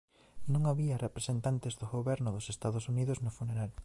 Non había representantes do goberno dos Estados Unidos no funeral.